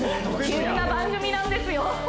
急な番組なんですよ